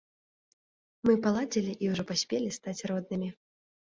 Мы паладзілі і ўжо паспелі стаць роднымі.